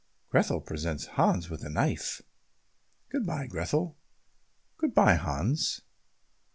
Grethel presents Hans with a knife. "Good bye, Grethel." "Good bye Hans."